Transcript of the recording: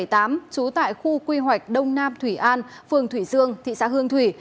trú tại khu quy hoạch đông nam thủy an phường thủy dương thị xã hương thủy